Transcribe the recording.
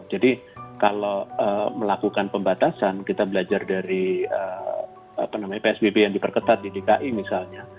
jadi kalau melakukan pembatasan kita belajar dari psbb yang diperketat di dki misalnya